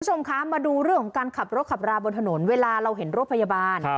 คุณผู้ชมคะมาดูเรื่องของการขับรถขับราบนถนนเวลาเราเห็นรถพยาบาล